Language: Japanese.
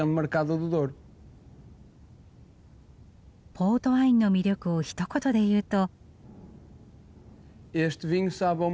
ポートワインの魅力をひと言で言うと？